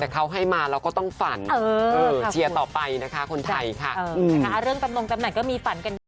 ค่ะอืมค่ะเรื่องจำนวงจำไหนก็มีฝันกัน